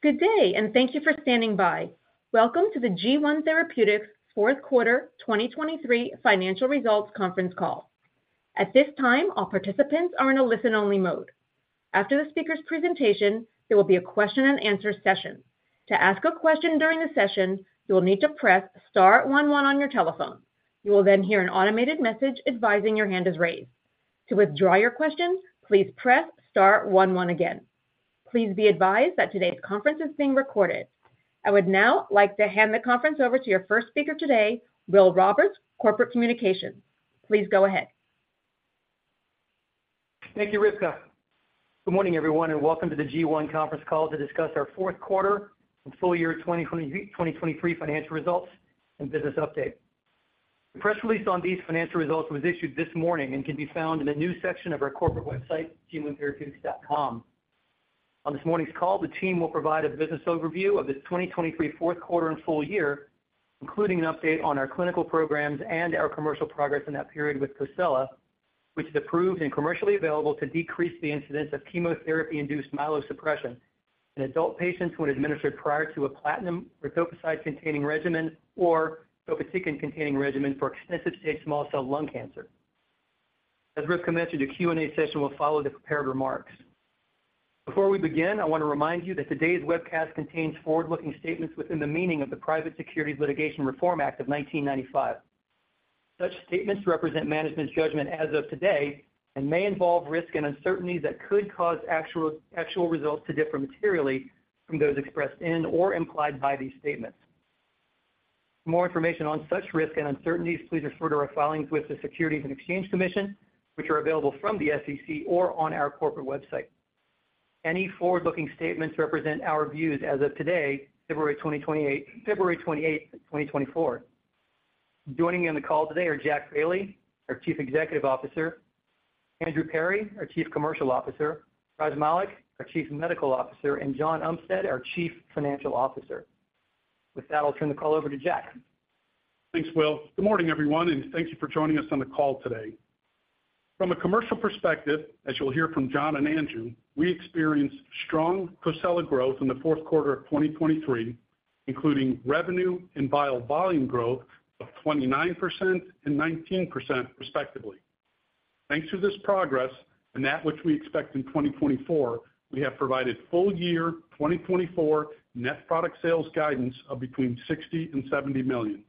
Good day, and thank you for standing by. Welcome to the G1 Therapeutics fourth quarter 2023 financial results conference call. At this time, all participants are in a listen-only mode. After the speaker's presentation, there will be a question-and-answer session. To ask a question during the session, you will need to press star one one on your telephone. You will then hear an automated message advising your hand is raised. To withdraw your question, please press star one one again. Please be advised that today's conference is being recorded. I would now like to hand the conference over to your first speaker today, Will Roberts, Corporate Communications. Please go ahead. Thank you, Rivka. Good morning, everyone, and welcome to the G1 conference call to discuss our fourth quarter and full year 2023 financial results and business update. The press release on these financial results was issued this morning and can be found in the news section of our corporate website, g1therapeutics.com. On this morning's call, the team will provide a business overview of the 2023 fourth quarter and full year, including an update on our clinical programs and our commercial progress in that period with COSELA, which is approved and commercially available to decrease the incidence of chemotherapy-induced myelosuppression in adult patients when administered prior to a platinum or topoisomerase-containing regimen or topotecan-containing regimen for extensive-stage small cell lung cancer. As Rivka mentioned, a Q&A session will follow the prepared remarks. Before we begin, I want to remind you that today's webcast contains forward-looking statements within the meaning of the Private Securities Litigation Reform Act of 1995. Such statements represent management's judgment as of today and may involve risks and uncertainties that could cause actual results to differ materially from those expressed in or implied by these statements. For more information on such risks and uncertainties, please refer to our filings with the Securities and Exchange Commission, which are available from the SEC or on our corporate website. Any forward-looking statements represent our views as of today, February 28, 2024. Joining me on the call today are Jack Bailey, our Chief Executive Officer; Andrew Perry, our Chief Commercial Officer; Raj Malik, our Chief Medical Officer; and John Umstead, our Chief Financial Officer. With that, I'll turn the call over to Jack. Thanks, Will. Good morning, everyone, and thank you for joining us on the call today. From a commercial perspective, as you'll hear from John and Andrew, we experienced strong COSELA growth in the fourth quarter of 2023, including revenue and vial volume growth of 29% and 19%, respectively. Thanks to this progress and that which we expect in 2024, we have provided full year 2024 net product sales guidance of between $60 million and $70 million.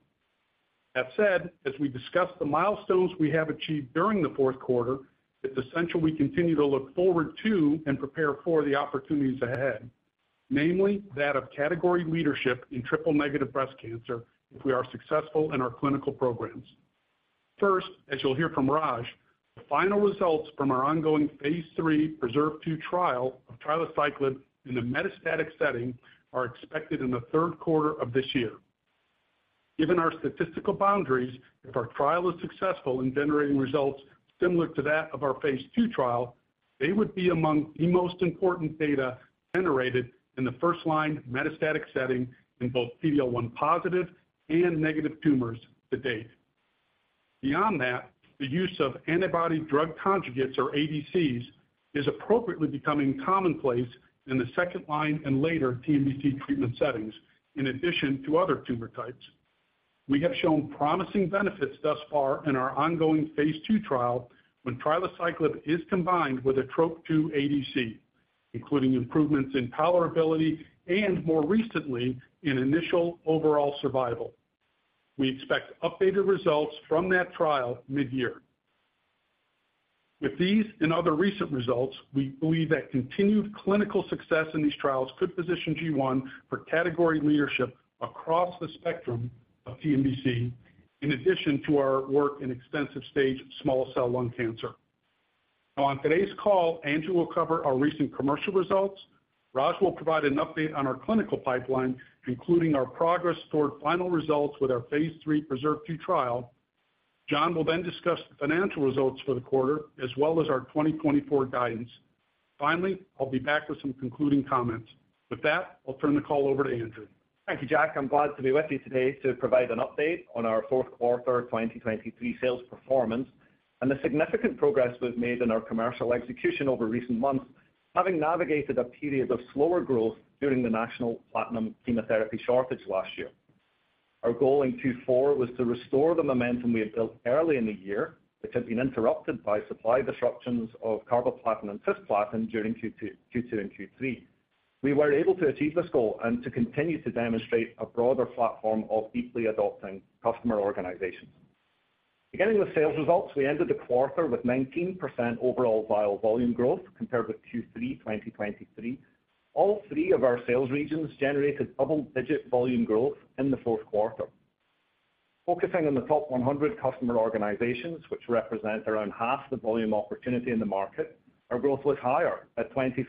That said, as we discuss the milestones we have achieved during the fourth quarter, it's essential we continue to look forward to and prepare for the opportunities ahead, namely, that of category leadership in triple-negative breast cancer if we are successful in our clinical programs. First, as you'll hear from Raj, the final results from our ongoing phase III PRESERVE 2 trial of trilaciclib in the metastatic setting are expected in the third quarter of this year. Given our statistical boundaries, if our trial is successful in generating results similar to that of our phase II trial, they would be among the most important data generated in the first-line metastatic setting in both PD-L1 positive and negative tumors to date. Beyond that, the use of antibody-drug conjugates, or ADCs, is appropriately becoming commonplace in the second-line and later TNBC treatment settings, in addition to other tumor types. We have shown promising benefits thus far in our ongoing phase II trial when trilaciclib is combined with a TROP-2 ADC, including improvements in tolerability and, more recently, in initial overall survival. We expect updated results from that trial mid-year. With these and other recent results, we believe that continued clinical success in these trials could position G1 for category leadership across the spectrum of TNBC, in addition to our work in extensive-stage small cell lung cancer. Now, on today's call, Andrew will cover our recent commercial results. Raj will provide an update on our clinical pipeline, including our progress toward final results with our phase III PRESERVE 2 trial. John will then discuss the financial results for the quarter, as well as our 2024 guidance. Finally, I'll be back with some concluding comments. With that, I'll turn the call over to Andrew. Thank you, Jack. I'm glad to be with you today to provide an update on our fourth quarter 2023 sales performance and the significant progress we've made in our commercial execution over recent months, having navigated a period of slower growth during the national platinum chemotherapy shortage last year. Our goal in Q4 was to restore the momentum we had built early in the year, which had been interrupted by supply disruptions of carboplatin and cisplatin during Q2 and Q3. We were able to achieve this goal and to continue to demonstrate a broader platform of deeply adopting customer organizations. Beginning with sales results, we ended the quarter with 19% overall vial volume growth compared with Q3 2023. All three of our sales regions generated double-digit volume growth in the fourth quarter. Focusing on the top 100 customer organizations, which represent around half the volume opportunity in the market, our growth was higher at 24%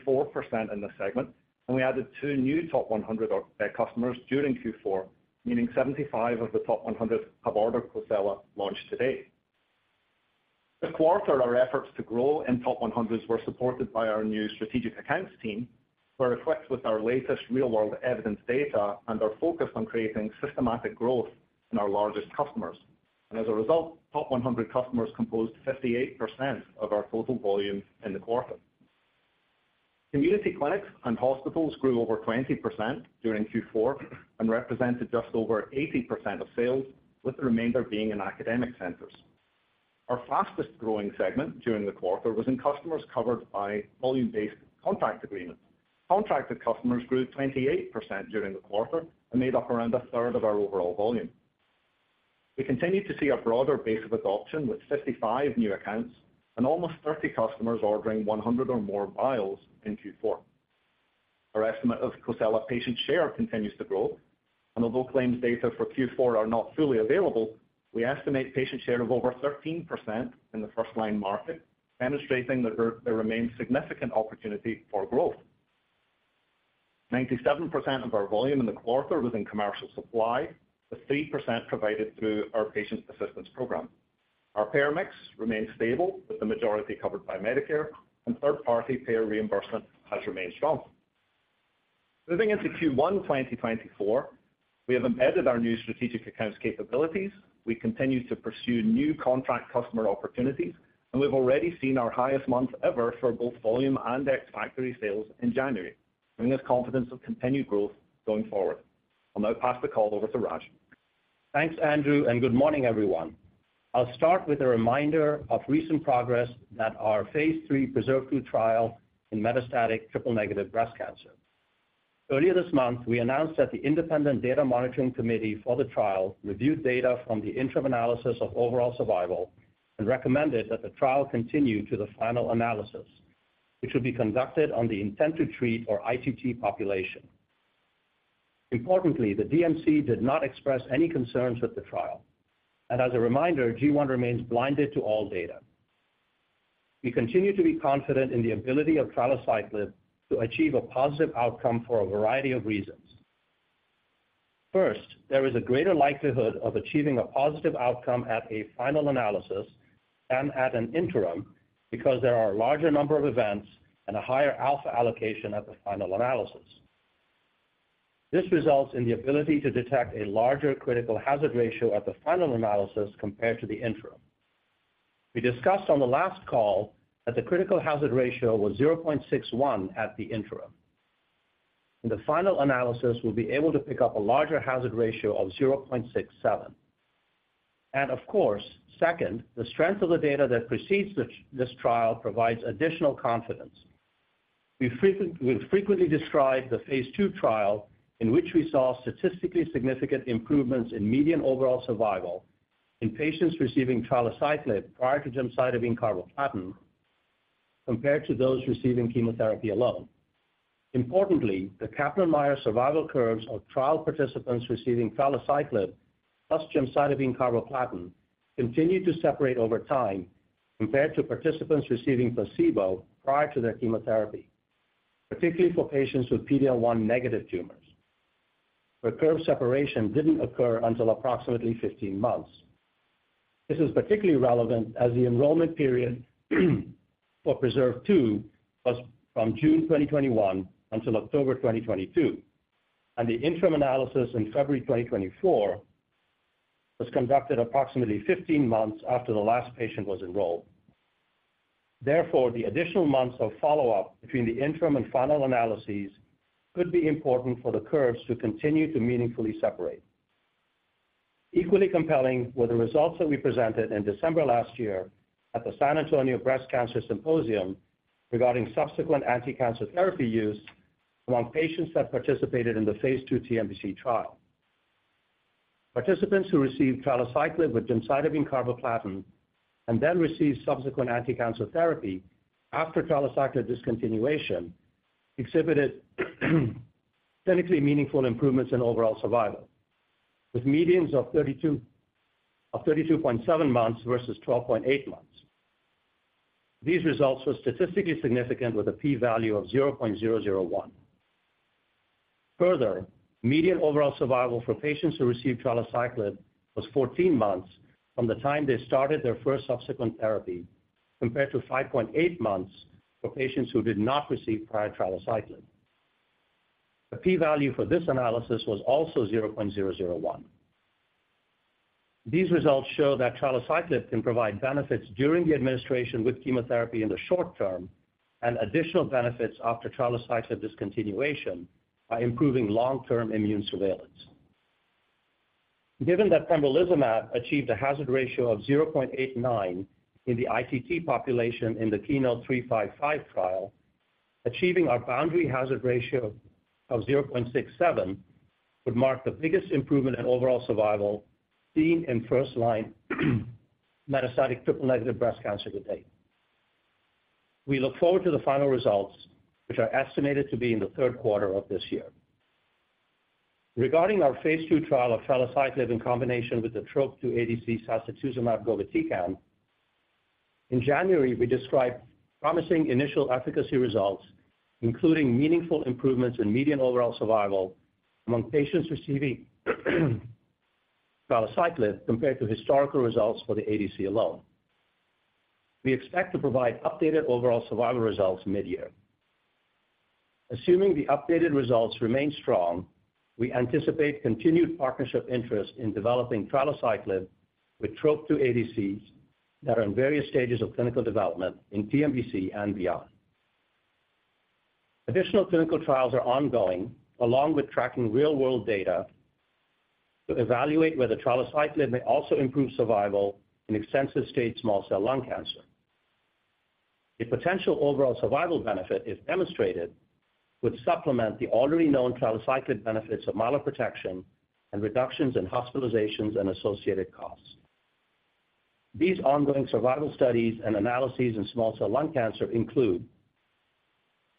in this segment, and we added two new top 100 customers during Q4, meaning 75 of the top 100 have ordered COSELA launched to date. This quarter, our efforts to grow in top 100s were supported by our new strategic accounts team, who are equipped with our latest real-world evidence data and are focused on creating systematic growth in our largest customers... and as a result, top 100 customers composed 58% of our total volume in the quarter. Community clinics and hospitals grew over 20% during Q4 and represented just over 80% of sales, with the remainder being in academic centers. Our fastest-growing segment during the quarter was in customers covered by volume-based contract agreements. Contracted customers grew 28% during the quarter and made up around a third of our overall volume. We continued to see a broader base of adoption, with 55 new accounts and almost 30 customers ordering 100 or more vials in Q4. Our estimate of COSELA patient share continues to grow, and although claims data for Q4 are not fully available, we estimate patient share of over 13% in the first-line market, demonstrating that there remains significant opportunity for growth. 97% of our volume in the quarter was in commercial supply, with 3% provided through our patient assistance program. Our payer mix remains stable, with the majority covered by Medicare, and third-party payer reimbursement has remained strong. Moving into Q1 2024, we have embedded our new strategic accounts capabilities. We continue to pursue new contract customer opportunities, and we've already seen our highest month ever for both volume and ex-factory sales in January, bringing us confidence of continued growth going forward. I'll now pass the call over to Raj. Thanks, Andrew, and good morning, everyone. I'll start with a reminder of recent progress at our phase III PRESERVE 2 trial in metastatic triple-negative breast cancer. Earlier this month, we announced that the Independent Data Monitoring Committee for the trial reviewed data from the interim analysis of overall survival and recommended that the trial continue to the final analysis, which will be conducted on the intent to treat or ITT population. Importantly, the DMC did not express any concerns with the trial, and as a reminder, G1 remains blinded to all data. We continue to be confident in the ability of trilaciclib to achieve a positive outcome for a variety of reasons. First, there is a greater likelihood of achieving a positive outcome at a final analysis than at an interim, because there are a larger number of events and a higher alpha allocation at the final analysis. This results in the ability to detect a larger critical hazard ratio at the final analysis compared to the interim. We discussed on the last call that the critical Hazard Ratio was 0.61 at the interim. In the final analysis, we'll be able to pick up a larger hazard ratio of 0.67. And of course, second, the strength of the data that precedes this. This trial provides additional confidence. We've frequently described the Phase II trial, in which we saw statistically significant improvements in median overall survival in patients receiving trilaciclib prior to gemcitabine carboplatin, compared to those receiving chemotherapy alone. Importantly, the Kaplan-Meier survival curves of trial participants receiving trilaciclib plus gemcitabine carboplatin continued to separate over time compared to participants receiving placebo prior to their chemotherapy, particularly for patients with PD-L1 negative tumors, but curve separation didn't occur until approximately 15 months. This is particularly relevant as the enrollment period for PRESERVE 2 was from June 2021 until October 2022, and the interim analysis in February 2024 was conducted approximately 15 months after the last patient was enrolled. Therefore, the additional months of follow-up between the interim and final analyses could be important for the curves to continue to meaningfully separate. Equally compelling were the results that we presented in December last year at the San Antonio Breast Cancer Symposium regarding subsequent anti-cancer therapy use among patients that participated in the phase II TNBC trial. Participants who received trilaciclib with gemcitabine carboplatin and then received subsequent anti-cancer therapy after trilaciclib discontinuation, exhibited clinically meaningful improvements in overall survival, with medians of 32.7 months versus 12.8 months. These results were statistically significant, with a p-value of 0.001. Further, median overall survival for patients who received trilaciclib was 14 months from the time they started their first subsequent therapy, compared to 5.8 months for patients who did not receive prior trilaciclib. The p-value for this analysis was also 0.001. These results show that trilaciclib can provide benefits during the administration with chemotherapy in the short term and additional benefits after trilaciclib discontinuation by improving long-term immune surveillance. Given that pembrolizumab achieved a hazard ratio of 0.89 in the ITT population in the KEYNOTE-355 trial, achieving our boundary hazard ratio of 0.67 would mark the biggest improvement in overall survival seen in first-line metastatic triple-negative breast cancer to date. We look forward to the final results, which are estimated to be in the third quarter of this year. Regarding our phase II trial of trilaciclib in combination with the TROP-2 ADC sacituzumab govitecan, in January, we described promising initial efficacy results, including meaningful improvements in median overall survival among patients receiving trilaciclib compared to historical results for the ADC alone. We expect to provide updated overall survival results mid-year. Assuming the updated results remain strong, we anticipate continued partnership interest in developing trilaciclib with TROP-2 ADCs that are in various stages of clinical development in TNBC and beyond. Additional clinical trials are ongoing, along with tracking real-world data, to evaluate whether trilaciclib may also improve survival in extensive-stage small cell lung cancer. A potential overall survival benefit, if demonstrated, would supplement the already known trilaciclib benefits of myeloprotection and reductions in hospitalizations and associated costs. These ongoing survival studies and analyses in small cell lung cancer include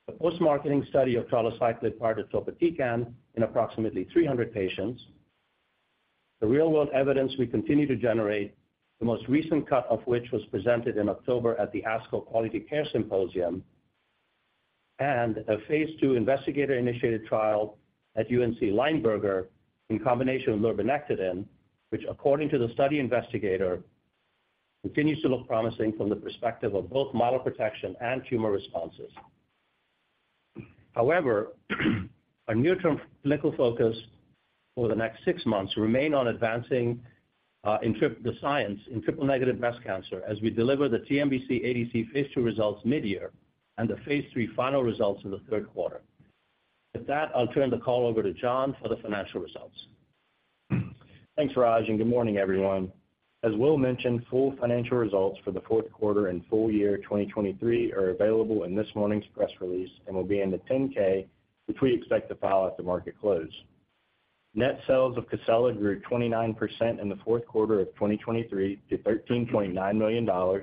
the post-marketing study of trilaciclib plus topotecan in approximately 300 patients, the real-world evidence we continue to generate, the most recent cut of which was presented in October at the ASCO Quality Care Symposium, and a phase II investigator-initiated trial at UNC Lineberger in combination with lurbinectedin, which according to the study investigator, continues to look promising from the perspective of both myeloprotection and tumor responses. However, our near-term clinical focus for the next six months remains on advancing the science in triple-negative breast cancer as we deliver the TNBC ADC phase II results mid-year and the phase III final results in the third quarter. With that, I'll turn the call over to John for the financial results. Thanks, Raj, and good morning, everyone. As Will mentioned, full financial results for the fourth quarter and full year 2023 are available in this morning's press release and will be in the 10-K, which we expect to file at the market close. Net sales of COSELA grew 29% in the fourth quarter of 2023 to $13.9 million,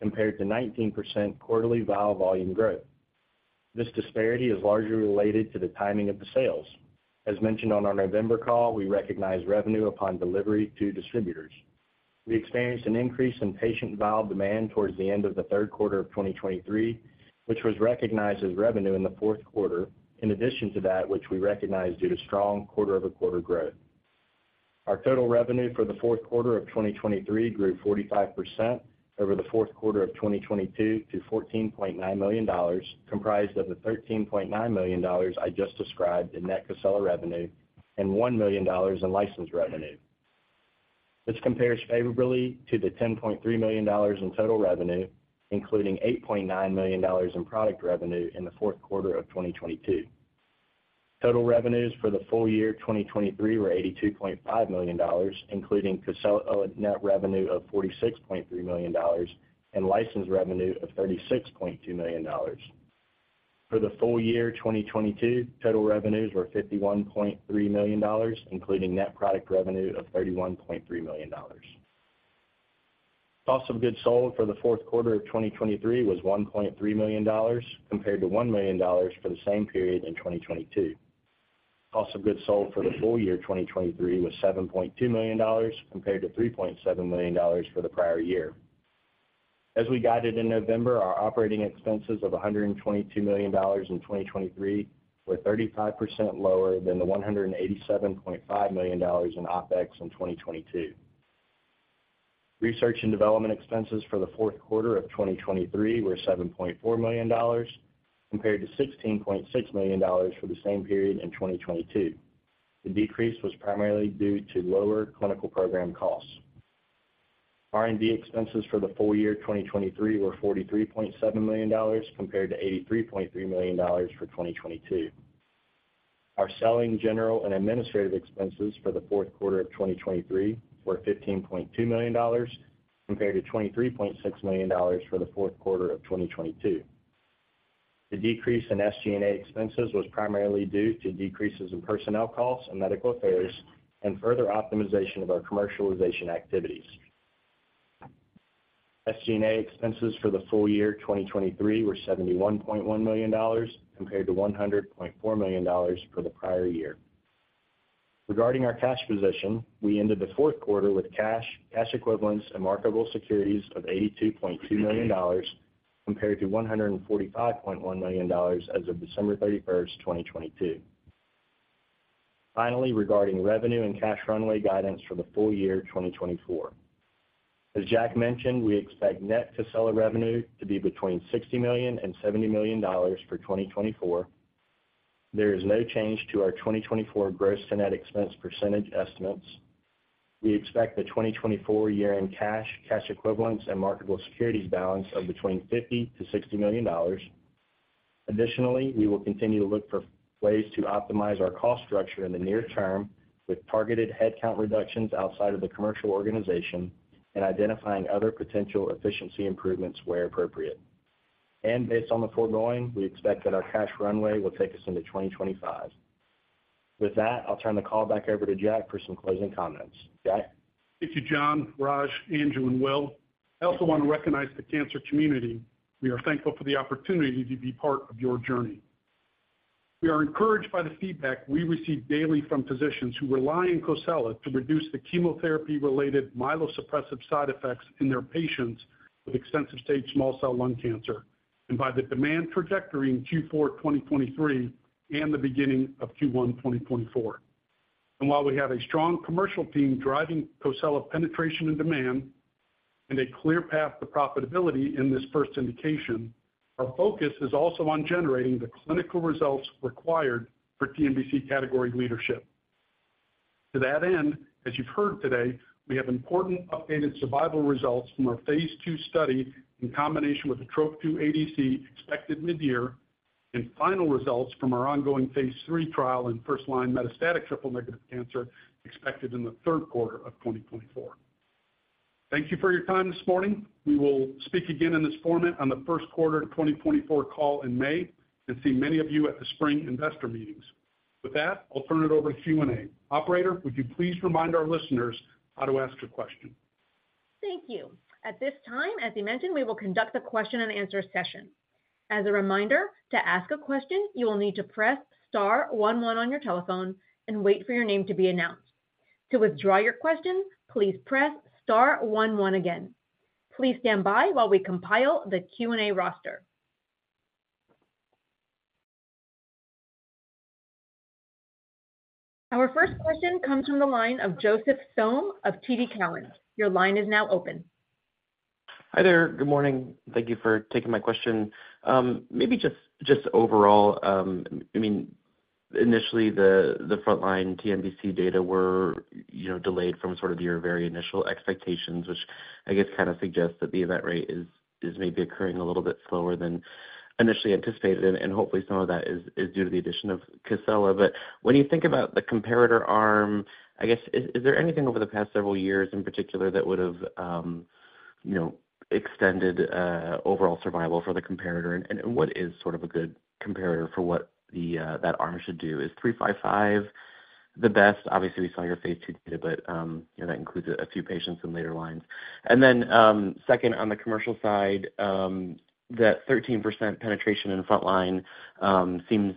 compared to 19% quarterly vial volume growth. This disparity is largely related to the timing of the sales. As mentioned on our November call, we recognize revenue upon delivery to distributors. We experienced an increase in patient vial demand towards the end of the third quarter of 2023, which was recognized as revenue in the fourth quarter, in addition to that, which we recognized due to strong quarter-over-quarter growth. Our total revenue for the fourth quarter of 2023 grew 45% over the fourth quarter of 2022 to $14.9 million, comprised of the $13.9 million I just described in net COSELA revenue and $1 million in license revenue. This compares favorably to the $10.3 million in total revenue, including $8.9 million in product revenue in the fourth quarter of 2022. Total revenues for the full year 2023 were $82.5 million, including COSELA net revenue of $46.3 million and license revenue of $36.2 million. For the full year 2022, total revenues were $51.3 million, including net product revenue of $31.3 million. Cost of goods sold for the fourth quarter of 2023 was $1.3 million, compared to $1 million for the same period in 2022. Cost of goods sold for the full year 2023 was $7.2 million, compared to $3.7 million for the prior year. As we guided in November, our operating expenses of $122 million in 2023 were 35% lower than the $187.5 million in OpEx in 2022. Research and development expenses for the fourth quarter of 2023 were $7.4 million, compared to $16.6 million for the same period in 2022. The decrease was primarily due to lower clinical program costs. R&D expenses for the full year 2023 were $43.7 million, compared to $83.3 million for 2022. Our selling, general, and administrative expenses for the fourth quarter of 2023 were $15.2 million, compared to $23.6 million for the fourth quarter of 2022. The decrease in SG&A expenses was primarily due to decreases in personnel costs and medical affairs and further optimization of our commercialization activities. SG&A expenses for the full year 2023 were $71.1 million, compared to $100.4 million for the prior year. Regarding our cash position, we ended the fourth quarter with cash, cash equivalents, and marketable securities of $82.2 million, compared to $145.1 million as of December 31, 2022. Finally, regarding revenue and cash runway guidance for the full year 2024. As Jack mentioned, we expect net COSELA revenue to be between $60 million and $70 million for 2024. There is no change to our 2024 gross to net expense percentage estimates. We expect the 2024 year-end cash, cash equivalents, and marketable securities balance of between $50 million-$60 million. Additionally, we will continue to look for ways to optimize our cost structure in the near term, with targeted headcount reductions outside of the commercial organization and identifying other potential efficiency improvements where appropriate. And based on the foregoing, we expect that our cash runway will take us into 2025. With that, I'll turn the call back over to Jack for some closing comments. Jack? Thank you, John, Raj, Andrew, and Will. I also want to recognize the cancer community. We are thankful for the opportunity to be part of your journey. We are encouraged by the feedback we receive daily from physicians who rely on COSELA to reduce the chemotherapy-related myelosuppressive side effects in their patients with extensive-stage small cell lung cancer, and by the demand trajectory in Q4 2023 and the beginning of Q1 2024. And while we have a strong commercial team driving COSELA penetration and demand-... and a clear path to profitability in this first indication, our focus is also on generating the clinical results required for TNBC category leadership. To that end, as you've heard today, we have important updated survival results from our phase II study in combination with the TROP-2 ADC, expected mid-year, and final results from our ongoing phase III trial in first-line metastatic triple-negative cancer, expected in the third quarter of 2024. Thank you for your time this morning. We will speak again in this format on the first quarter of 2024 call in May, and see many of you at the spring investor meetings. With that, I'll turn it over to Q&A. Operator, would you please remind our listeners how to ask a question? Thank you. At this time, as he mentioned, we will conduct a question and answer session. As a reminder, to ask a question, you will need to press star one one on your telephone and wait for your name to be announced. To withdraw your question, please press star one one again. Please stand by while we compile the Q&A roster. Our first question comes from the line of Joseph Thome of TD Cowen. Your line is now open. Hi there. Good morning. Thank you for taking my question. Maybe just overall, I mean, initially the frontline TNBC data were delayed from sort of your very initial expectations, which I guess kind of suggests that the event rate is maybe occurring a little bit slower than initially anticipated, and hopefully some of that is due to the addition of COSELA. But when you think about the comparator arm, I guess, is there anything over the past several years in particular that would have extended overall survival for the comparator? And what is sort of a good comparator for what that arm should do? Is 355 the best? Obviously, we saw your phase II data, but you know, that includes a few patients in later lines. And then, second, on the commercial side, that 13% penetration in the frontline seems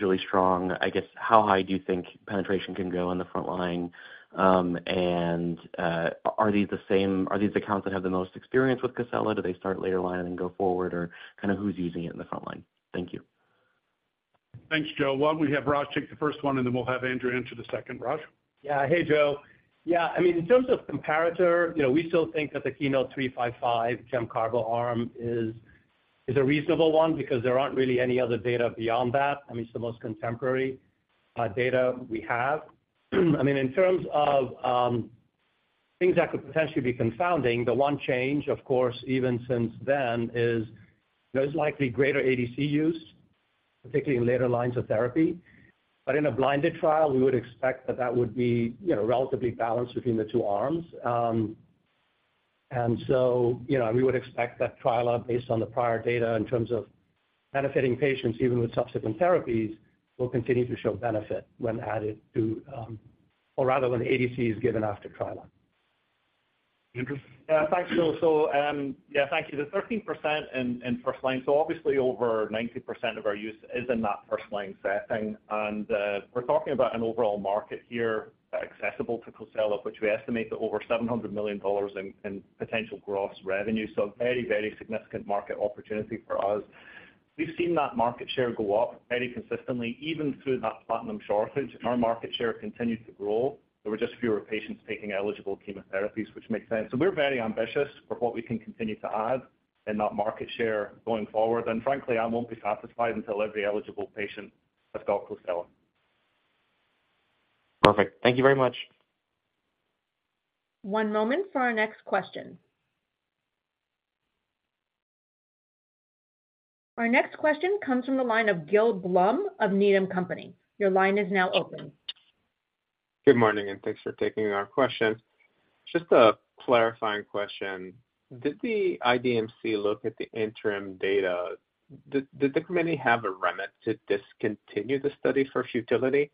really strong. I guess, how high do you think penetration can go in the frontline? And, are these the same accounts that have the most experience with COSELA? Do they start later line and then go forward, or kind of who's using it in the front line? Thank you. Thanks, Joe. Why don't we have Raj take the first one, and then we'll have Andrew answer the second. Raj? Yeah. Hey, Joe. Yeah, I mean, in terms of comparator, you know, we still think that the KEYNOTE-355 gem-carbo arm is, is a reasonable one because there aren't really any other data beyond that. I mean, it's the most contemporary data we have. I mean, in terms of things that could potentially be confounding, the one change, of course, even since then, is there's likely greater ADC use, particularly in later lines of therapy. But in a blinded trial, we would expect that that would be, you know, relatively balanced between the two arms. And so, you know, we would expect that trilaciclib, based on the prior data in terms of benefiting patients, even with subsequent therapies, will continue to show benefit when added to, or rather, when ADC is given after trilaciclib. Andrew? Yeah, thanks, Joe. So, yeah, thank you. The 13% in, in first line, so obviously over 90% of our use is in that first line setting. And, we're talking about an overall market here accessible to COSELA, which we estimate to over $700 million in, in potential gross revenue. So a very, very significant market opportunity for us. We've seen that market share go up very consistently. Even through that platinum shortage, our market share continued to grow. There were just fewer patients taking eligible chemotherapies, which makes sense. So we're very ambitious for what we can continue to add in that market share going forward, and frankly, I won't be satisfied until every eligible patient has got COSELA. Perfect. Thank you very much. One moment for our next question. Our next question comes from the line of Gil Blum of Needham & Company. Your line is now open. Good morning, and thanks for taking our question. Just a clarifying question: Did the IDMC look at the interim data? Did the committee have a remit to discontinue the study for futility?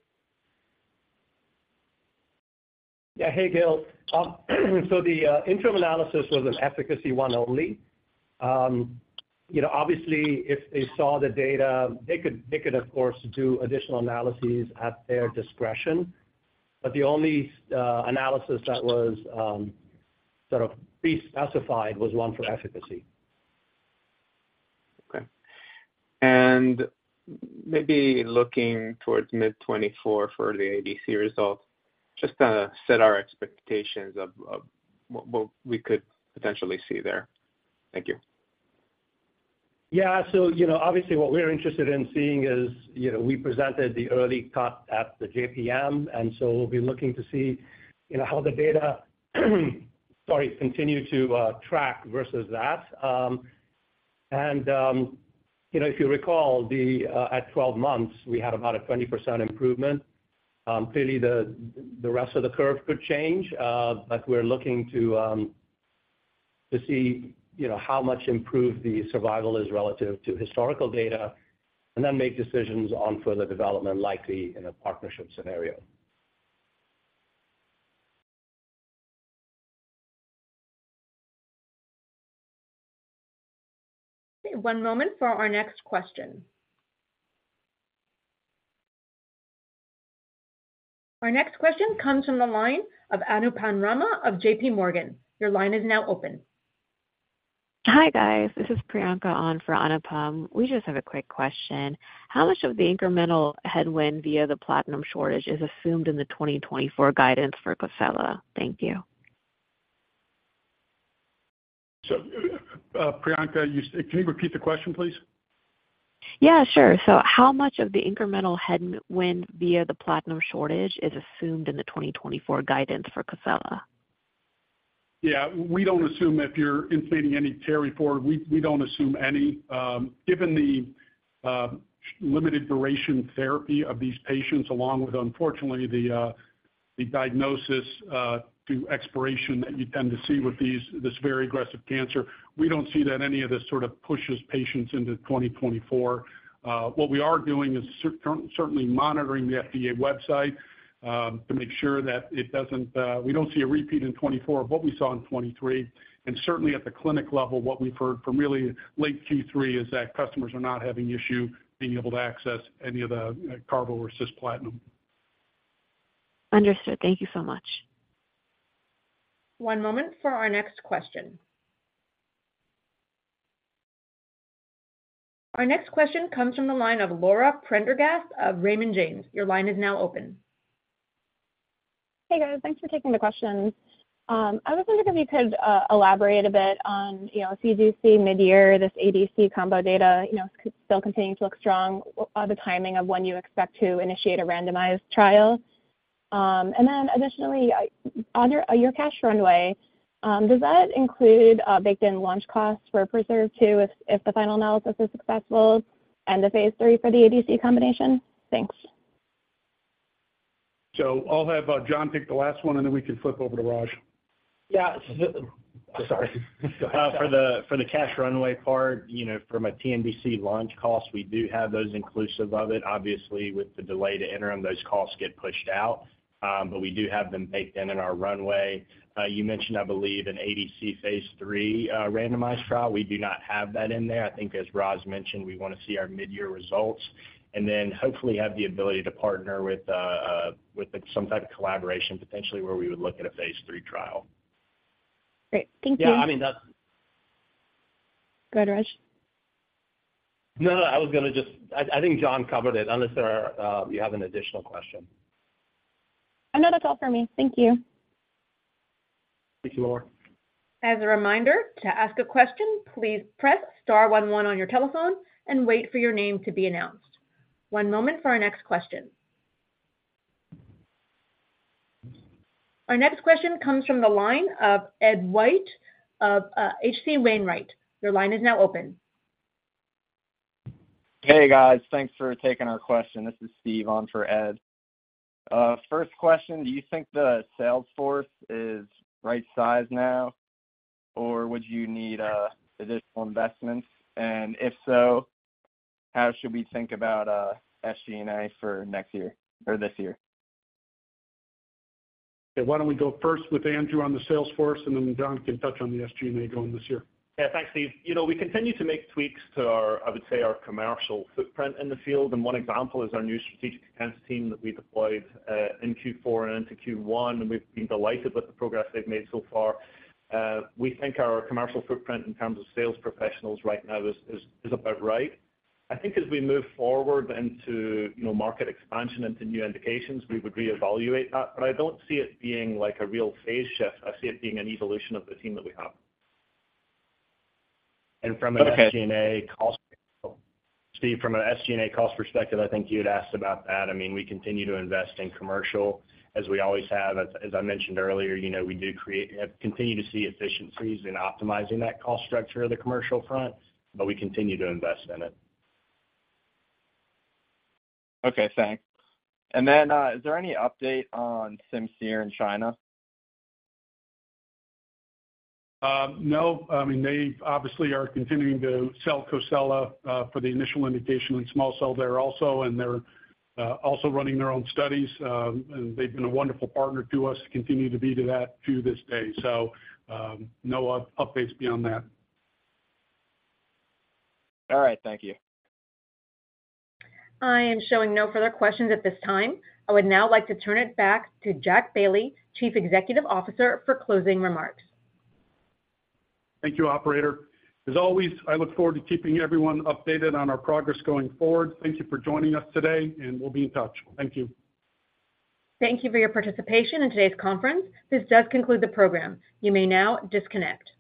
Yeah. Hey, Gil. So the interim analysis was an efficacy one only. You know, obviously, if they saw the data, they could, they could, of course, do additional analyses at their discretion, but the only analysis that was sort of pre-specified was one for efficacy. Okay. Maybe looking towards mid-2024 for the ADC results, just to set our expectations of what we could potentially see there. Thank you. Yeah. So, you know, obviously, what we're interested in seeing is, you know, we presented the early cut at the JPM, and so we'll be looking to see, you know, how the data, sorry, continue to track versus that. And, you know, if you recall, the at 12 months, we had about a 20% improvement. Clearly, the rest of the curve could change, but we're looking to see, you know, how much improved the survival is relative to historical data, and then make decisions on further development, likely in a partnership scenario. One moment for our next question. Our next question comes from the line of Anupam Rama of JP Morgan. Your line is now open. Hi, guys, this is Priyanka on for Anupam. We just have a quick question. How much of the incremental headwind via the platinum shortage is assumed in the 2024 guidance for COSELA? Thank you. So, Priyanka, can you repeat the question, please? Yeah, sure. So how much of the incremental headwind via the platinum shortage is assumed in the 2024 guidance for COSELA? Yeah, we don't assume if you're inflating any carry forward. We don't assume any. Given the limited duration therapy of these patients, along with, unfortunately, the diagnosis to expiration that you tend to see with these, this very aggressive cancer, we don't see that any of this sort of pushes patients into 2024. What we are doing is certainly monitoring the FDA website to make sure that it doesn't, we don't see a repeat in 2024 of what we saw in 2023. And certainly at the clinic level, what we've heard from really late Q3 is that customers are not having issue being able to access any of the carboplatin or cisplatin. Understood. Thank you so much. One moment for our next question. Our next question comes from the line of Laura Prendergast of Raymond James. Your line is now open. Hey, guys, thanks for taking the questions. I was wondering if you could elaborate a bit on, you know, if you do see mid-year, this ADC combo data, you know, still continuing to look strong, the timing of when you expect to initiate a randomized trial. And then additionally, on your cash runway, does that include baked in launch costs for PRESERVE 2, if the final analysis is successful and the phase III for the ADC combination? Thanks. I'll have John take the last one, and then we can flip over to Raj. Yeah. Sorry. Go ahead. For the cash runway part, you know, from a TNBC launch cost, we do have those inclusive of it. Obviously, with the delay to interim, those costs get pushed out, but we do have them baked in our runway. You mentioned, I believe, an ADC phase III randomized trial. We do not have that in there. I think, as Raj mentioned, we wanna see our mid-year results and then hopefully have the ability to partner with some type of collaboration, potentially, where we would look at a phase III trial. Great. Thank you. Yeah, I mean, that- Go ahead, Raj. No, no, I was gonna just... I, I think John covered it, unless there are, you have an additional question. No, that's all for me. Thank you. Thank you, Laura. As a reminder, to ask a question, please press star one one on your telephone and wait for your name to be announced. One moment for our next question. Our next question comes from the line of Ed White of H.C. Wainwright. Your line is now open. Hey, guys. Thanks for taking our question. This is Steve on for Ed. First question: Do you think the sales force is right sized now, or would you need additional investments? And if so, how should we think about SG&A for next year or this year? Why don't we go first with Andrew on the sales force, and then John can touch on the SG&A going this year. Yeah. Thanks, Steve. You know, we continue to make tweaks to our, I would say, our commercial footprint in the field, and one example is our new strategic accounts team that we deployed in Q4 and into Q1, and we've been delighted with the progress they've made so far. We think our commercial footprint in terms of sales professionals right now is about right. I think as we move forward into, you know, market expansion into new indications, we would reevaluate that, but I don't see it being like a real phase shift. I see it being an evolution of the team that we have. Okay. From an SG&A cost perspective, Steve, from an SG&A cost perspective, I think you'd asked about that. I mean, we continue to invest in commercial, as we always have. As I mentioned earlier, you know, we continue to see efficiencies in optimizing that cost structure of the commercial front, but we continue to invest in it. Okay, thanks. And then, is there any update on Simcere in China? No. I mean, they obviously are continuing to sell COSELA for the initial indication in small cell there also, and they're also running their own studies. And they've been a wonderful partner to us and continue to be to this day. So, no updates beyond that. All right. Thank you. I am showing no further questions at this time. I would now like to turn it back to Jack Bailey, Chief Executive Officer, for closing remarks. Thank you, operator. As always, I look forward to keeping everyone updated on our progress going forward. Thank you for joining us today, and we'll be in touch. Thank you. Thank you for your participation in today's conference. This does conclude the program. You may now disconnect.